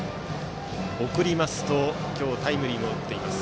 送りますと今日、タイムリーを打っています